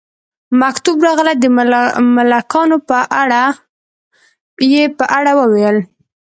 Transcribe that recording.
مکتوب راغلی د ملکانو په اړه، یې په اړه وویل.